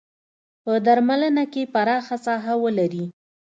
په درملنه کې پراخه ساحه ولري.